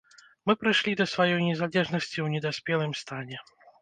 Мы прыйшлі да сваёй незалежнасці ў недаспелым стане.